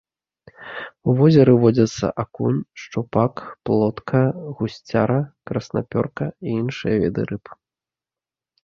У возеры водзяцца акунь, шчупак, плотка, гусцяра, краснапёрка і іншыя віды рыб.